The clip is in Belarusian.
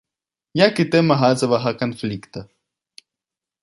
Як і тэма газавага канфлікта.